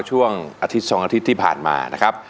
ช่วงอาทิตย์๒อาทิตย์ที่ผ่านมานะครับ